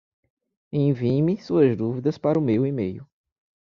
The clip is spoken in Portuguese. Envie-me suas dúvidas para o meu e-mail.